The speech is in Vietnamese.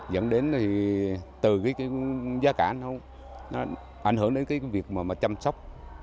dẫn đến thì từ cái giá cản thôi nó ảnh hưởng đến cái việc mà chăm sóc